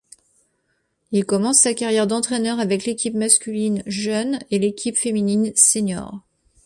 Il commence sa carrière d'entraineur avec l'équipe masculine jeune et l'équipe féminine senior.